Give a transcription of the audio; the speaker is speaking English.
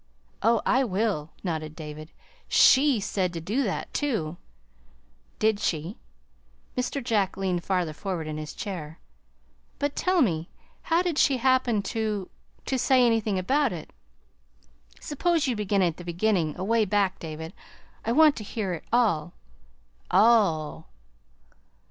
"Oh, I will," nodded David. "SHE said to do that, too." "Did she?" Mr. Jack leaned farther forward in his chair. "But tell me, how did she happen to to say anything about it? Suppose you begin at the beginning away back, David. I want to hear it all all!"